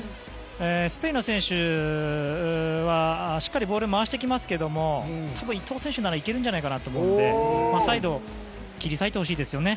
スペインの選手はしっかりボールを回してきますが多分、伊東選手なら行けるんじゃないかなと思うのでサイド切り裂いてほしいですよね。